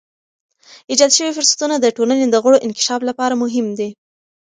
ایجاد شوی فرصتونه د ټولنې د غړو انکشاف لپاره مهم دي.